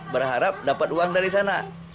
berharap dapat uang dari sana